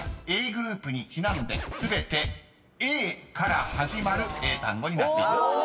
ｇｒｏｕｐにちなんで全てＡから始まる英単語になっています］